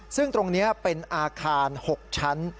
ซึ่งตรงนี้เป็นอาคาร๖ชั้น